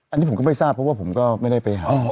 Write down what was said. อันนี้ผมก็ไม่ทราบเพราะว่าผมก็ไม่ได้ไปหา